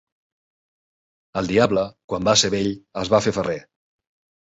El diable, quan va ser vell, es va fer ferrer.